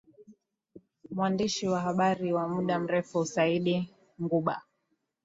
Mwandishi wa habari wa muda mrefu Saidi Nguba